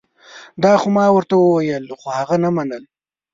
دا خو ما ورته وویل خو هغه نه منل